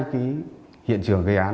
cái hiện trường gây án